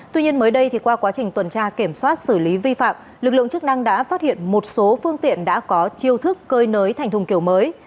tuy nhiên mới đây qua quá trình tuần tra kiểm soát xử lý vi phạm lực lượng chức năng đã phát hiện một số phương tiện đã có chiêu thức cơi nới thành thùng kiểu mới